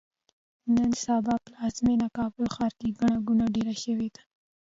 نن سبا پلازمېینه کابل ښار کې ګڼه ګوڼه ډېره شوې ده.